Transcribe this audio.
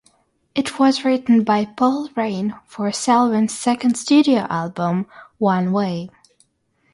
It was written by Paul Rein for Selwyn's second studio album, "One Way".